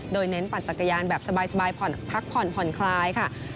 โดยเน้นปั่นจักรยานแบบสบายพักผ่อนผ่อนคลายค่ะ